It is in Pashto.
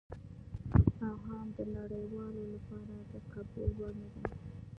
او هم د نړیوالو لپاره د قبول وړ نه ده.